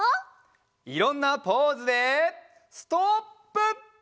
いろんなポーズでストップ！